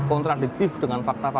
itu faktat yang menurut saya